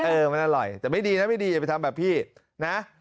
เออมันอร่อยแต่ไม่ดีนะไม่ดีอย่าไปทำแบบพี่นะ